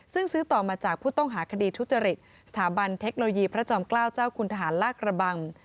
ซึ่งซื้อต่อมาจากผู้ต้องหาคดีทุจริตสถาบันเทคโนโลยีพระจอมเกล้าเจ้าคุณทหารลากระบัง